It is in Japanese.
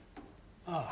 ああ。